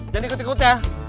jangan ikut ikut ya